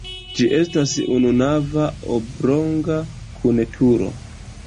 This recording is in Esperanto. Ĝi estas ununava oblonga kun turo.